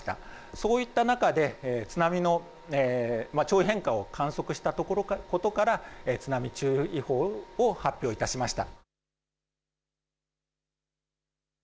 そういった中で津波の潮位変化を観測したことから津波注意報を発表いたしました。